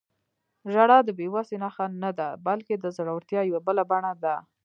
• ژړا د بې وسۍ نښه نه ده، بلکې د زړورتیا یوه بله بڼه ده.